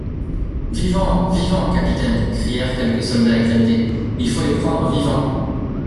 Vivants ! vivants, capitaine ! crièrent quelques soldats exaltés ; il faut les prendre vivants.